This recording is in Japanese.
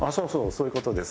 そういう事です。